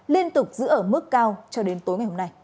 liên tục giữ ở mức cao cho đến tối